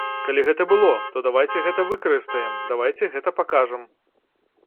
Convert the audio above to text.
Калі гэта было, то давайце гэта выкарыстаем, давайце гэта пакажам.